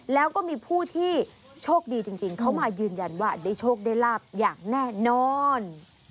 แล้วก็มีผู้ที่โชคดีจริงเขามายืนยันว่าได้โชคได้ลาบอย่างแน่นอน